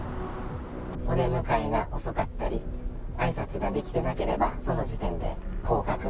お出迎えが遅かったり、あいさつができてなければ、その時点で降格。